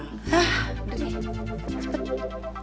udah deh cepet